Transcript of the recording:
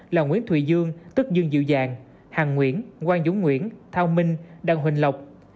là nguyễn thụy dương tức dương dự dạng hàng nguyễn quang dũng nguyễn thao minh đăng huỳnh lộc